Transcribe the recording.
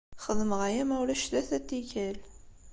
Xedmeɣ aya ma ulac tlata n tikkal.